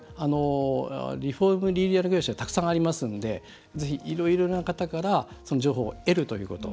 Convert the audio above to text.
リフォームリニューアル業者はたくさんありますのでぜひ、いろいろな方からその情報を得るということ。